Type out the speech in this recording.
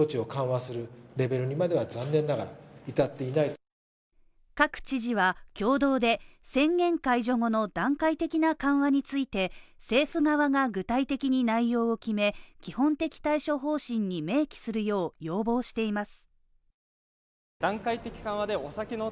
昨日の首都圏の１都３県の知事からも各知事は共同で、宣言解除後の段階的な緩和について政府側が具体的に内容を決め基本的対処方針に明記するよう要望しています。